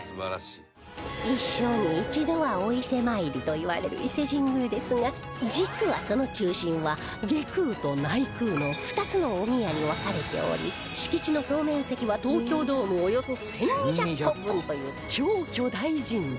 一生に一度はお伊勢参りといわれる伊勢神宮ですが実はその中心は外宮と内宮の２つのお宮に分かれており敷地の総面積は東京ドームおよそ１２００個分という超巨大神社